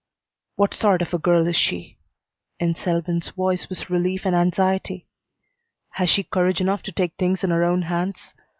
"What sort of a girl is she?" In Selwyn's voice was relief and anxiety. "Has she courage enough to take things in her own hands?